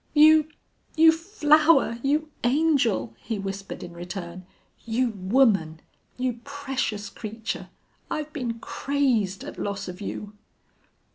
"You you flower you angel!" he whispered in return. "You woman! You precious creature! I've been crazed at loss of you!"